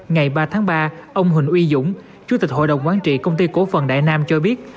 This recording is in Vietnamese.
ngày ba tháng ba ông huỳnh uy dũng chủ tịch hội đồng quán trị công ty cổ phần đại nam cho biết